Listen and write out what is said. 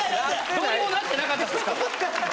どうにもなってなかったですから。